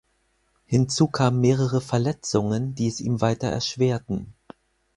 Hinzu kamen mehrere Verletzungen, die es ihm weiter erschwerten.